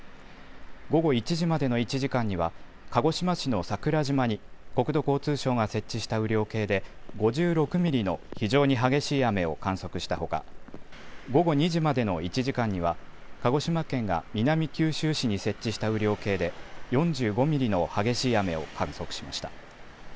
午後１時までの１時間には鹿児島市の桜島に国土交通省が設置した雨量計で５６ミリの非常に激しい雨を観測したほか、午後２時までの１時間には鹿児島県が南九州市に設置した雨量計で４５ミリの激しい雨を観測しました。